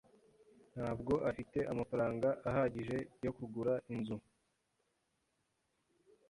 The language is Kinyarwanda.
ntabwo afite amafaranga ahagije yo kugura inzu.